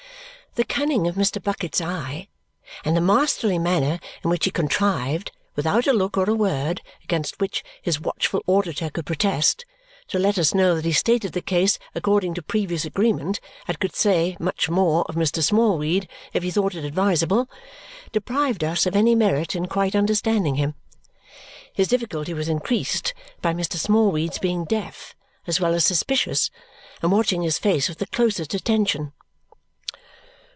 The cunning of Mr. Bucket's eye and the masterly manner in which he contrived, without a look or a word against which his watchful auditor could protest, to let us know that he stated the case according to previous agreement and could say much more of Mr. Smallweed if he thought it advisable, deprived us of any merit in quite understanding him. His difficulty was increased by Mr. Smallweed's being deaf as well as suspicious and watching his face with the closest attention.